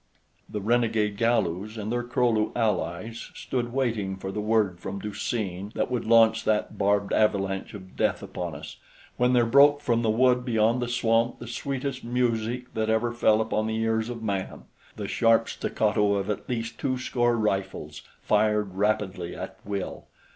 The renegade Galus and their Kro lu allies stood waiting for the word from Du seen that would launch that barbed avalanche of death upon us, when there broke from the wood beyond the swamp the sweetest music that ever fell upon the ears of man the sharp staccato of at least two score rifles fired rapidly at will.